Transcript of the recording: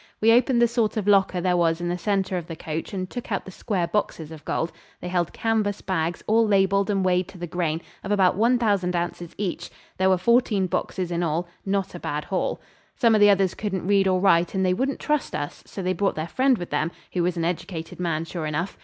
We opened the sort of locker there was in the centre of the coach and took out the square boxes of gold. They held canvas bags, all labelled and weighed to the grain, of about 1000 oz. each. There were fourteen boxes in all. Not a bad haul. Some of the others couldn't read or write, and they wouldn't trust us, so they brought their friend with them, who was an educated man sure enough.